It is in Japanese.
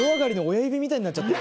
みたいになっちゃって。